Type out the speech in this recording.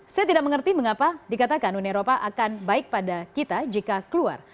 saya tidak mengerti mengapa dikatakan uni eropa akan baik pada kita jika keluar